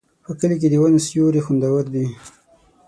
په کلي کې د ونو سیوري خوندور دي.